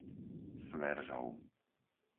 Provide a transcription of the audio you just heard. Sveržov